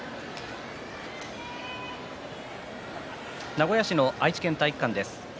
名古屋市の愛知県体育館です。